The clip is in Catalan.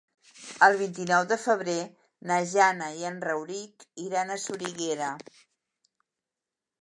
El vint-i-nou de febrer na Jana i en Rauric iran a Soriguera.